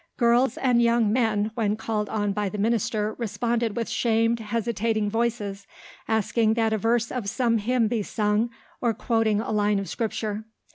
Girls and young men when called on by the minister responded with shamed, hesitating voices asking that a verse of some hymn be sung, or quoting a line of scripture.